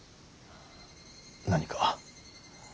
何か。